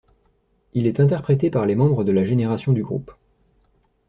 Il est interprété par les membres de la génération du groupe.